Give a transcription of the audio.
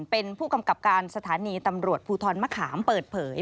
เป็นผู้กำกับการสถานีตำรวจภูทรมะขามเปิดเผย